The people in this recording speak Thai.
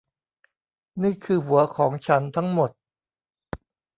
นี่คือหัวของฉันทั้งหมด